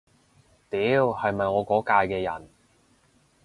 屌，係咪我嗰屆嘅人